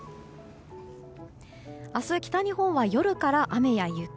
明日、北日本は夜から雨や雪。